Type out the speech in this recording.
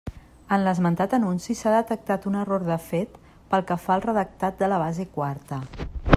En l'esmentat anunci s'ha detectat un error de fet pel que fa al redactat de la base quarta.